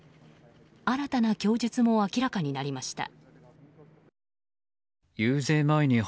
新たな供述も明らかになりました。